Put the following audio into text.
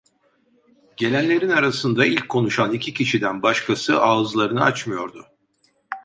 Gelenlerin arasında ilk konuşan iki kişiden başkası ağızlarını açmıyordu.